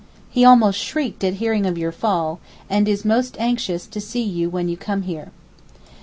He almost shrieked at hearing of your fall, and is most anxious to see you when you come here.